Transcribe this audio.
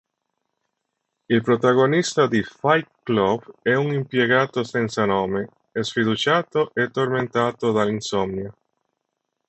Il protagonista di "Fight Club" è un impiegato senza nome, sfiduciato e tormentato dall'insonnia.